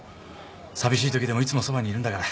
寂しいときでもいつもそばにいるんだから。